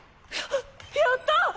ややった！